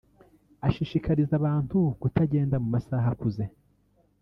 Ashishikariza abantu kutagenda mu mu masaha akuze